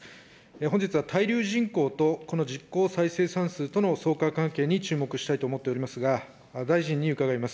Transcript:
本日は滞留人口とこの実効再生産数との相関関係に注目したいと思いますが、大臣に伺います。